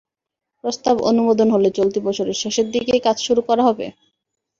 প্রস্তাব অনুমোদন হলে চলতি বছরের শেষের দিকেই কাজ শুরু করা হবে।